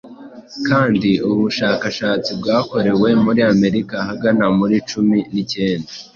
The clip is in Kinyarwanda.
kandi Ubushakashatsi bwakorewe muri Amerika ahagana muri cumi nicyenda